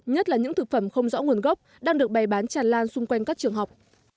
nhất là những thực phẩm không rõ nguồn gốc đang được bày bán tràn lan xung quanh các trường học